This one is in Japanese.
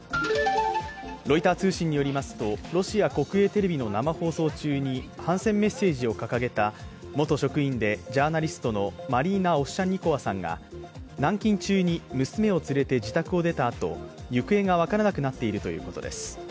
ロイター通信によりますとロシア国営テレビの生放送中に反戦メッセージを掲げた元職員でジャーナリストのマリーナ・オフシャンニコワさんが軟禁中に娘を連れて自宅を出たあと行方が分からなくなっているということです。